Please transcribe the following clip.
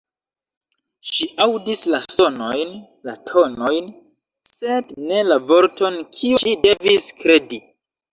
Ŝi aŭdis la sonojn, la tonojn, sed ne la vorton, kiun ŝi devis kredi.